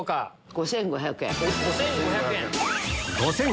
５５００円。